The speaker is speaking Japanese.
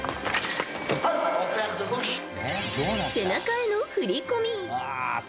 背中への振り込み。